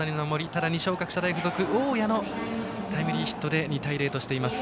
ただ二松学舎大付属大矢のタイムリーヒットで２対０としています。